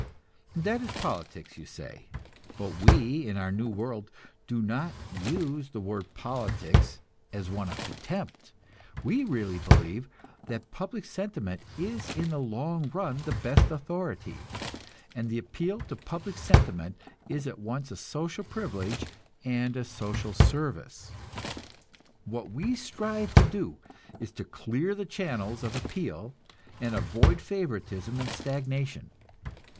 That is politics, you say; but we in our new world do not use the word politics as one of contempt. We really believe that public sentiment is in the long run the best authority, and the appeal to public sentiment is at once a social privilege and a social service. What we strive to do is to clear the channels of appeal, and avoid favoritism and stagnation.